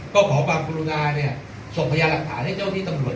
ก็ขอบางครูนาเนี่ยส่งพญาหลักฐานให้เจ้าที่ตำรวจ